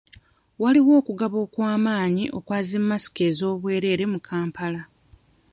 Waaliwo okugaba okw'amaanyi okwa zi masiki ez'obwereere mu kampala.